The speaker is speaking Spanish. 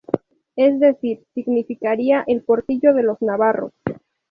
Es decir, significaría ""El portillo de los navarros"".